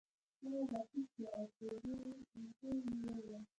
هغه راټیټ شو او په ورو یې وویل